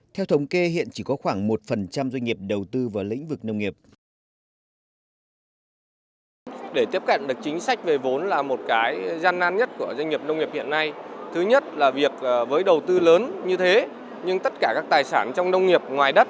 theo thống kê hiện chỉ có khoảng một doanh nghiệp đầu tư vào lĩnh vực nông nghiệp